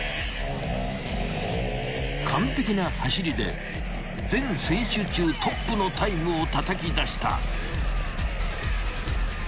［完璧な走りで全選手中トップのタイムをたたき出した］